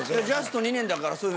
ジャスト２年だから。